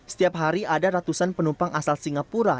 setiap hari ada ratusan penumpang asal singapura